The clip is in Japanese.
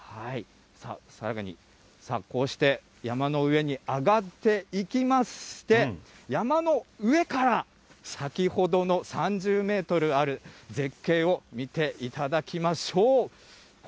さらにこうして山の上に上がっていきまして、山の上から先ほどの３０メートルある絶景を見ていただきましょう。